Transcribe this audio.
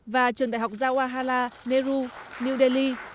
và trường đại học gia hoa hala nehru new delhi